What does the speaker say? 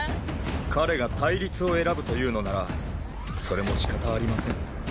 彼が対立を選ぶというのならそれもしかたありません。